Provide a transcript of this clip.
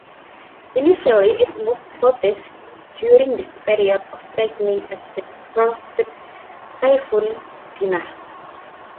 Initially it moved southeast during this period of strengthening as it approached Typhoon Dinah.